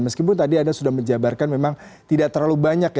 meskipun tadi anda sudah menjabarkan memang tidak terlalu banyak